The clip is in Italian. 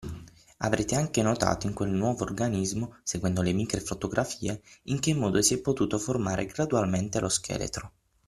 Avrete anche notato in quel nuovo organismo, seguendo le micro-fotografie, in che modo si è potuto formare gradualmente lo scheletro.